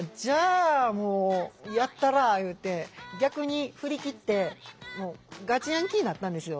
もうやったらあいうて逆に振り切ってもうガチヤンキーになったんですよ。